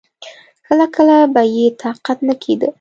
کله کله به يې طاقت نه کېده.